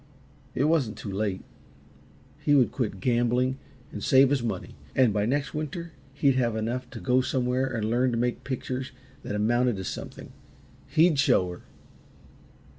It wasn't too late. He would quit gambling and save his money, and by next winter he'd have enough to go somewhere and learn to make pictures that amounted to something. He'd show her!